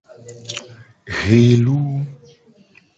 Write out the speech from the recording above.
Helu.